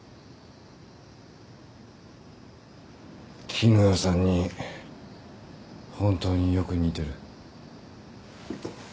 絹代さんに本当によく似てる。